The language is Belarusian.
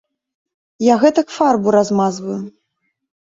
Я гэтак фарбу размазваю.